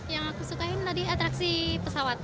yang aku sukain tadi atraksi pesawat